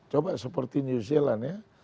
coba seperti new zealand ya